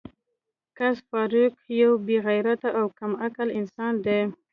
ګس فارویک یو بې غیرته او کم عقل انسان دی